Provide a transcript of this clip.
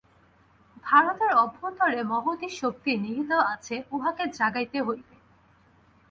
ভারতের অভ্যন্তরে মহতী শক্তি নিহিত আছে, উহাকে জাগাইতে হইবে।